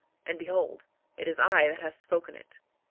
And behold it is I that hath spoken it.